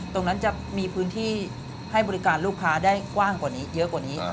ตรงนั้นจะมีพื้นที่ให้บริการลูกค้าได้กว้างกว่านี้เยอะกว่านี้